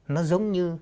nó giống như